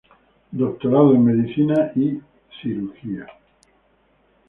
Doctorado en Medicina y cirugía.